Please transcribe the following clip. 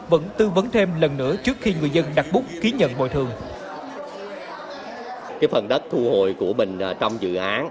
vẫn tư vấn thêm lần nữa trước khi người dân đặt bút ký nhận bồi thường